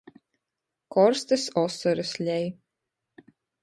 Korstys osorys lej.